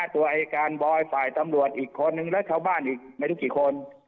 ตัวไอ้การบอยฝ่ายตำรวจอีกก่อนนึงก็เข้าบ้านไม่ทุกคน